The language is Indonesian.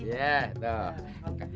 makasih pak haji